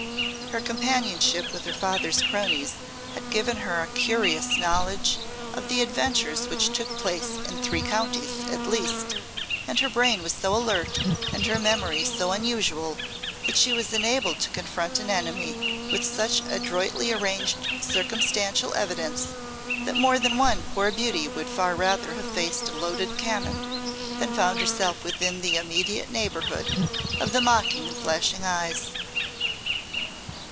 Her companionship with her father's cronies had given her a curious knowledge of the adventures which took place in three counties, at least, and her brain was so alert and her memory so unusual that she was enabled to confront an enemy with such adroitly arranged circumstantial evidence that more than one poor beauty would far rather have faced a loaded cannon than found herself within the immediate neighbourhood of the mocking and flashing eyes.